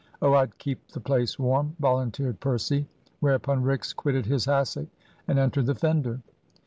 "Oh, I'd keep the place warm," volunteered Percy. Whereupon Rix quitted his hassock, and entered the fender.